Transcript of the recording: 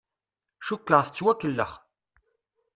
Cukkeɣ tettwakellex.